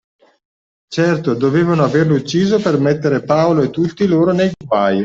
Certo, dovevano averlo ucciso per mettere Paolo e tutti loro nei guai.